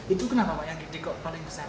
itu kenapa pak yang gidek kok paling besar